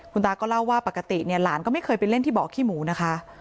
คุณตาก็เล่าว่าปกติเนี่ยหลานก็ไม่เคยไปเล่นที่เบาะขี้หมูนะคะ